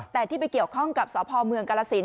แต่ที่ไปเกี่ยวข้องกับสพเมืองกาลสิน